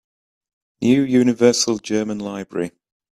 New Universal German Library